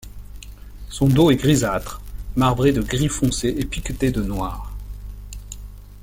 Son dos est grisâtre, marbré de gris foncé et piqueté de noir.